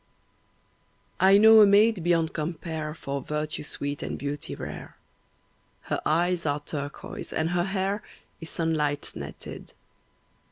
I know a maid beyond compare For virtue sweet and beauty rare. Her eyes are turquoise and her hair Is sunlight netted.